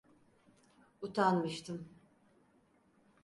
Utanmıştım.